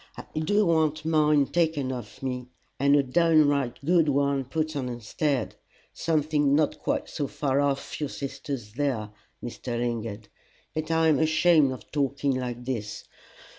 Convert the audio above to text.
I do want mine taken off me, and a downright good new one put on instead something not quite so far off your sister's there, Mr. Lingard. But I'm ashamed of talking like this.